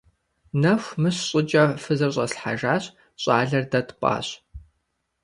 Нэху мыщ щӀыкӀэ фызыр щӀэслъхьэжащ, щӀалэр дэ тпӀащ.